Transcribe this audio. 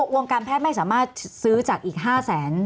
วงการแพทย์ไม่สามารถซื้อจากอีก๕แสน